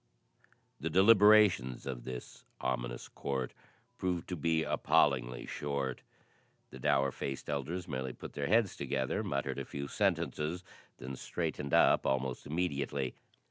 The deliberations of this ominous court proved to be appallingly short. The dour faced elders merely put their heads together, muttered a few sentences, then straightened up almost immediately.